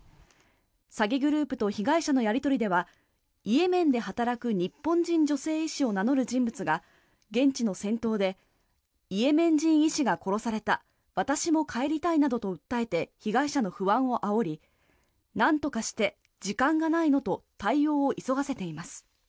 詐欺グループと被害者のやり取りではイエメンで働く日本人女性医師を名乗る人物が現地の戦闘でイエメン人医師が殺された私も帰りたいなどと訴えて被害者の不安をあおりなんとかして、時間がないのと対応を急がせています。